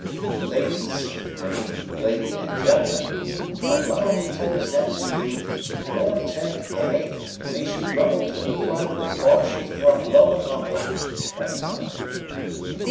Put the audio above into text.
"Ladies I mean lady and gentlemen allow me to present to you War Tank A, and may she rumble till the pride of the Boche is brought low and humble!" cried Tom.